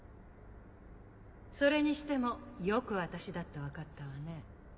それにしてもよく私だって分かったわね。